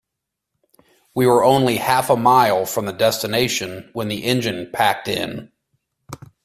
We were only half a mile from the destination when the engine packed in.